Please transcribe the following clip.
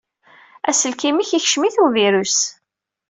Aselkim-ik yekcem-it uvirus.